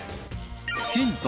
ヒント